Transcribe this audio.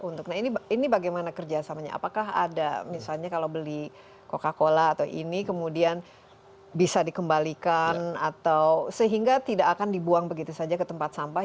nah ini bagaimana kerjasamanya apakah ada misalnya kalau beli coca cola atau ini kemudian bisa dikembalikan atau sehingga tidak akan dibuang begitu saja ke tempat sampah